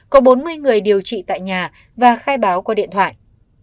có bốn mươi người điều trị tại nhà và khai báo qua điện thoại